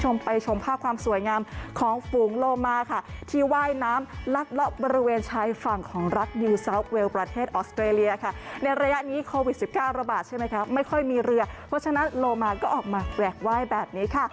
ไม่ค่อยมีเรือเพราะฉะนั้นโรมาก็ออกมาแหวกไหว้แบบนี้ค่ะ